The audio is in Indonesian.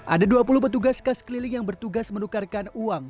ada dua puluh petugas kas keliling yang bertugas menukarkan uang